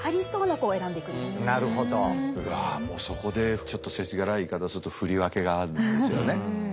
もうそこでちょっとせちがらい言い方すると振り分けがあるんですよね。